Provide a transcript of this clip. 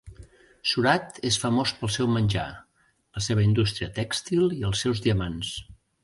Surat és famós pel seu menjar, la seva indústria tèxtil i els seus diamants.